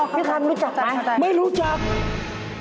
พี่ทันรู้จักพาดายหรือไม่รู้จักพอดี